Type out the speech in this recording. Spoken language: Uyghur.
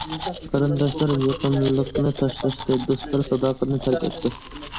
قېرىنداشلار يېقىنلىقنى تاشلاشتى، دوستلار ساداقەتنى تەرك ئەتتى.